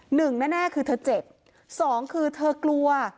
หนึ่งแน่คือเธอเจ็บสองคือเธอกลัว